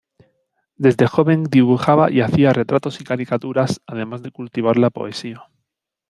Desde joven dibujaba y hacía retratos y caricaturas, además de cultivar la poesía.